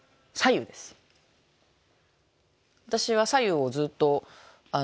私は白湯をずっと。